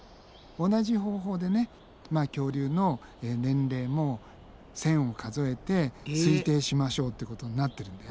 同じ方法でね恐竜の年齢も線を数えて推定しましょうってことになってるんだよね。